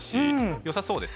よさそうです。